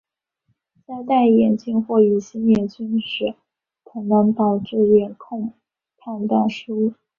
在戴眼镜或隐形眼镜时可能导致眼控判断失准。